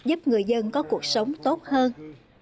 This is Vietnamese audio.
giúp người dân có cuộc sống tốt hơn